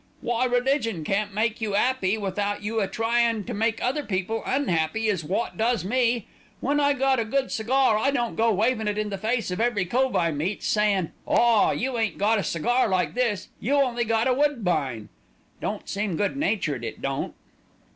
"Why religion can't make you 'appy without you a tryin' to make other people un'appy is wot does me. When I got a good cigar I don't go waving it in the face of every cove I meets, saying, 'Ah! you ain't got a cigar like this, you only got a woodbine.' Don't seem good natured, it don't."